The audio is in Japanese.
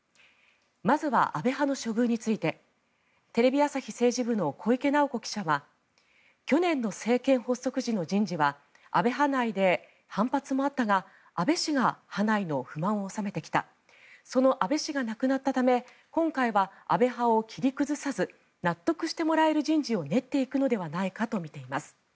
まずは安倍派の処遇についてテレビ朝日政治部の小池直子記者は去年の政権発足時の人事は安倍派内で反発もあったが安倍氏が派内の不満を収めてきたその安倍氏が亡くなったため今回は安倍派を切り崩さず納得してもらえる人事を練っていくのではないかと見ています。